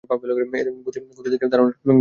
গতিক দেখে দরোয়ান একটু থমকে গেল।